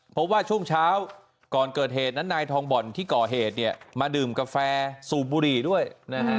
เพราะว่าช่วงเช้าก่อนเกิดเหตุนั้นนายทองบ่อนที่ก่อเหตุเนี่ยมาดื่มกาแฟสูบบุหรี่ด้วยนะฮะ